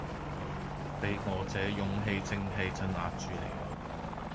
被我這勇氣正氣鎭壓住了。